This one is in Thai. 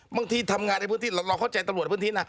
บางทีทำงานในพื้นที่เราเข้าใจตำรวจในพื้นที่นะ